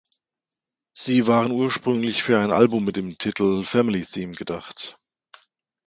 Sie waren ursprünglich für ein Album mit dem Titel "Family Theme" gedacht.